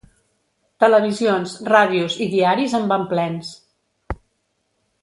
Televisions, ràdios i diaris en van plens.